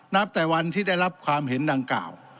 แต่วันที่ได้รับความเห็นดังกล่าว